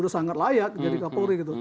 dia sudah sangat layak jadi kapolri